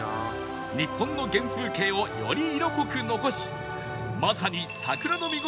日本の原風景をより色濃く残しまさに桜の見頃を迎えた